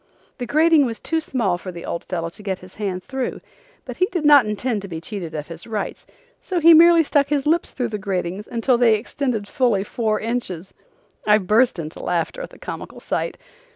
The grating was too small for the old fellow to get his hand through, but he did not intend to be cheated of his rights, so he merely stuck his lips through the gratings until they extended fully four inches. I burst into laughter at the comical sight.